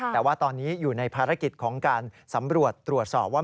แต่ว่าตอนนี้อยู่ในภารกิจของการสำรวจตรวจสอบว่า